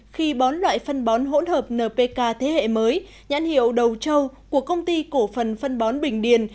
khi bón loại phân bón hỗn hợp npk thế hệ mới nhãn hiệu đầu châu của công ty cổ phần phân bón bình điền